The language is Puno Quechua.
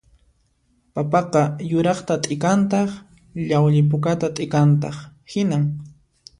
Papaqa yuraqta t'ikantaq llawli pukata t'ikantaq hinan